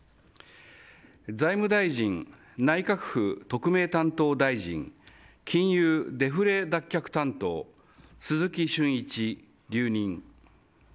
財務大臣、内閣府特命担当大臣金融デフレ脱却担当鈴木俊一、留任。